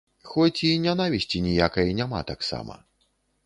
Хоць і нянавісці ніякай няма таксама.